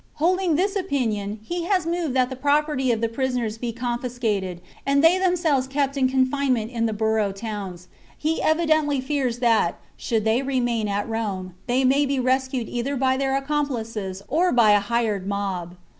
Holding this opinion, he has moved that the property of the prisoners be con fiscated, and they themselves kept in confinement in the borough towns. He evidently fears that, should they remain at Rome, they may be rescued either by their accomplices or by a hired mob.